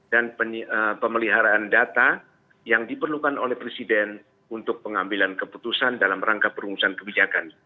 pemeliharaan data yang diperlukan oleh presiden untuk pengambilan keputusan dalam rangka perumusan kebijakan